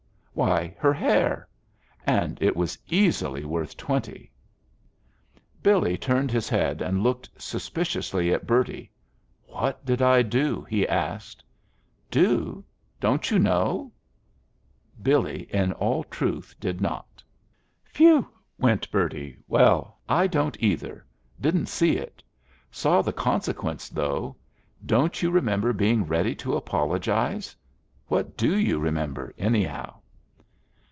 "Why, her hair. And it was easily worth twenty." Billy turned his head and looked suspiciously at Bertie. "What did I do?" he asked. "Do! Don't you know?" Billy in all truth did not. "Phew!" went Bertie. "Well, I don't, either. Didn't see it. Saw the consequences, though. Don't you remember being ready to apologize? What do you remember, anyhow?"